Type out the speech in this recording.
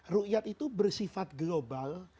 ru'iyat itu bersifat global